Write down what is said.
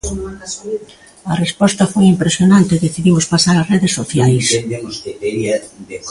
A resposta foi impresionante e decidimos pasar ás redes sociais.